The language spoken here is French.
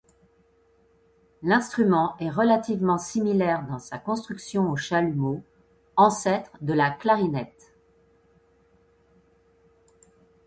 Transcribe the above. L'instrument est relativement similaire dans sa construction au chalumeau, ancêtre de la clarinette.